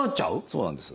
そうなんです。